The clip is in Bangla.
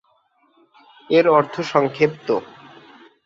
এর অর্থ সংক্ষেপ্ত।